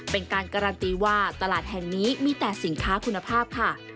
เป็นการการันตีว่าตลาดแห่งนี้มีแต่สินค้าคุณภาพค่ะ